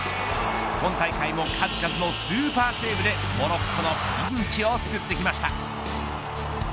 今大会も数々のスーパーセーブでモロッコのピンチを救ってきました。